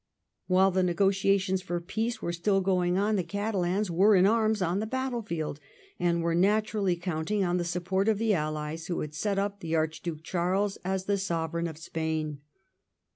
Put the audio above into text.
While the negotiations for peace were still going on the Catalans were in arms on the battlefield, and were naturally counting on the support of the Allies who had set up the Archduke Charles as the Sove reign of Spain.